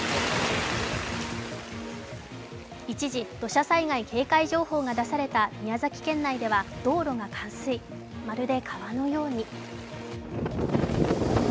一時、土砂災害警戒情報が出された宮崎県内は道路が冠水、まるで川のように。